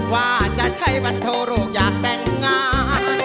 ว่าจะใช่วันโทโรคอยากแต่งงาน